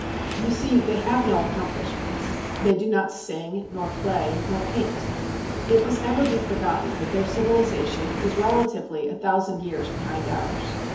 You see, they have no accomplishments. They do not sing, nor play, nor paint. It must never be forgotten that their civilization is relatively a thousand years behind ours.